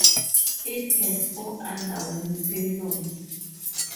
It had four underwing pylons.